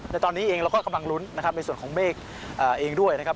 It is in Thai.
ในตอนนี้เองเราก็กำลังลุ้นนะครับในส่วนของเมฆเองด้วยนะครับ